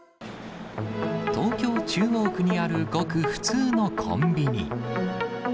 東京・中央区にある、ごく普通のコンビニ。